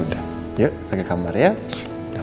yaudah yuk ke kamar ya